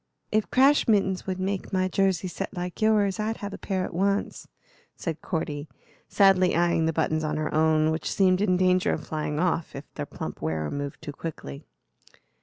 "If crash mittens would make my jersey set like yours I'd have a pair at once," said Cordy, sadly eyeing the buttons on her own, which seemed in danger of flying off if their plump wearer moved too quickly.